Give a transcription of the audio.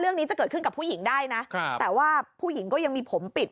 จะเกิดขึ้นกับผู้หญิงได้นะแต่ว่าผู้หญิงก็ยังมีผมปิด